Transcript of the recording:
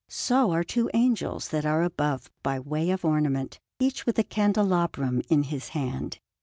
So are two angels that are above by way of ornament, each with a candelabrum in his hand.